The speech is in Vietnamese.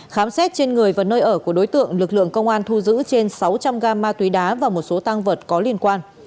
khám xét trên người và nơi ở của đối tượng lực lượng công an thu giữ trên sáu trăm linh gam ma túy đá và một số tăng vật có liên quan